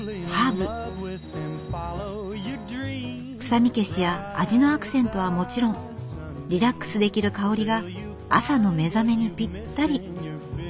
臭み消しや味のアクセントはもちろんリラックスできる香りが朝の目覚めにぴったり。